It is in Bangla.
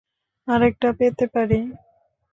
আরেকটা পেতে পারি?